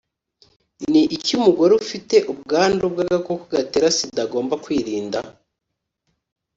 ni iki umugore ufite ubwandu bw agakoko gatera sida agomba kwirinda.